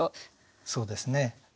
そうですね。